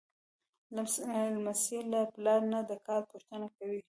لمسی له پلار نه د کار پوښتنه کوي.